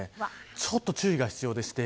ちょっと注意が必要です。